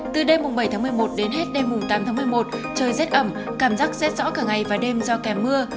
từ đêm bảy một mươi một đến hết đêm tám một mươi một trời rét ẩm cảm giác rét rõ cả ngày và đêm do kèm mưa